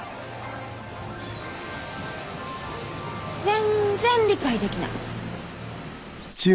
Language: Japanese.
全然理解できない。